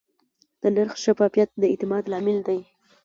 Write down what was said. د نرخ شفافیت د اعتماد لامل دی.